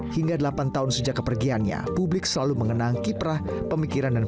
hingga delapan tahun sejak kepergiannya publik selalu mengenang kiprah pemikiran dan